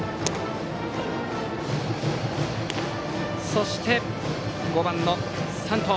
そして５番、山藤。